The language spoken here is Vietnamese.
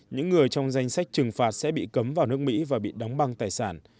những người trong danh sách trừng phạt sẽ bị cấm vào nước mỹ và bị đóng băng tài sản